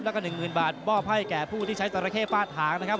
แล้วก็๑๐๐๐บาทมอบให้แก่ผู้ที่ใช้จราเข้ฟาดหางนะครับ